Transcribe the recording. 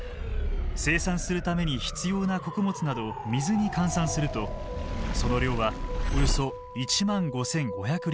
生産するために必要な穀物などを水に換算するとその量はおよそ１万５，５００リットル。